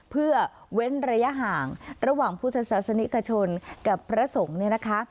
เพื่อเว้นระยะห่างระหว่างพุทธศาสนิกชนกับพระสงฆ์เนี่ยนะคะ